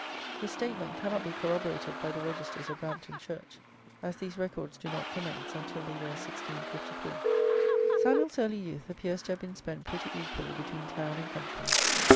His statement cannot be corroborated by the registers of Brampton church, as these records do not commence until the year 1654. Samuel's early youth appears to have been spent pretty equally between town and country.